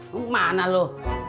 lu kemana lu